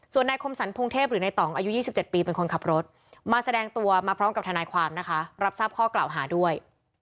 ส่วนนายคมสรรพงเทพหรือในต่องอายุ๒๗ปีเป็นคนขับรถมาแสดงตัวมาพร้อมกับทนายความนะคะรับทราบข้อกล่าวหาด้วย